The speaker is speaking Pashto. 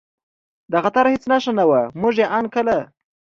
د خطر هېڅ نښه نه وه، موږ چې ان کله.